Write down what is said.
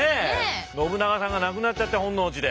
信長さんが亡くなっちゃって本能寺で。